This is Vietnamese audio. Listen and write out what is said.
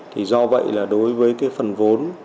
thì do vậy là đối với cái phần vốn